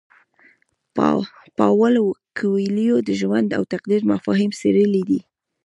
پاولو کویلیو د ژوند او تقدیر مفاهیم څیړلي دي.